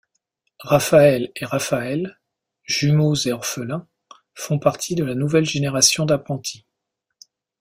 Raphaël et Raphaëlle, jumeaux et orphelins, font partie de la nouvelle génération d'apprentis.